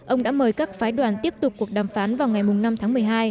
ông đã mời các phái đoàn tiếp tục cuộc đàm phán vào ngày năm tháng một mươi hai